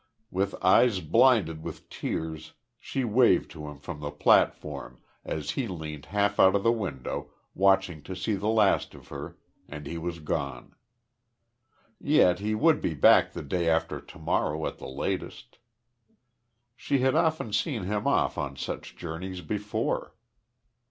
With eyes blinded with tears she waved to him from the platform as he leaned half out of the window watching to see the last of her, and he was gone. Yet he would be back the day after to morrow at the latest. She had often seen him off on such journeys before.